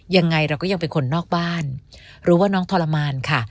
ยังไงเราก็ยังเป็นคนนอกบ้านรู้ว่าน้องทรมานค่ะ